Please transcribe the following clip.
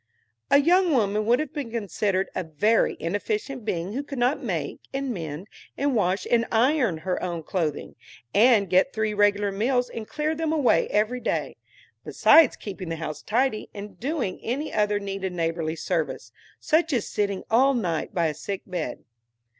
A young woman would have been considered a very inefficient being who could not make and mend and wash and iron her own clothing, and get three regular meals and clear them away every day, besides keeping the house tidy, and doing any other needed neighborly service, such as sitting all night by a sick bed.